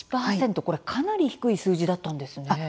３１％、かなり低い数字だったんですね。